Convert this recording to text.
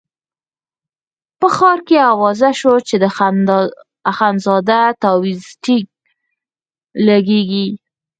په ښار کې اوازه شوه چې د اخندزاده تاویز ټیک لګېږي.